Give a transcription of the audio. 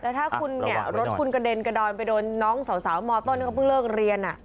แล้วถ้ารถคุณกระเด็นกระดอนไปโดนน้องสาวมต้นก็เพิ่งเลิกเรียน